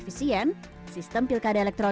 dari situ namanya berbesar berkando sendiri